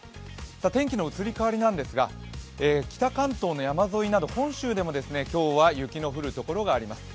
天気の移り変わりですが、北関東の山沿いなど本州でも今日は雪の降る所があります。